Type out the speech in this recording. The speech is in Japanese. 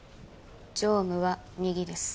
常務は右です。